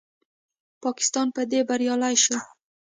پاکستان په دې بریالی شو